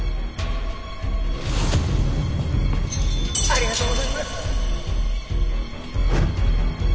ありがとうございます